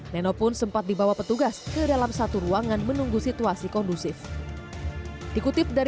nenowarisman tadinya hebtung di rumahnya bandar sampai puluh belas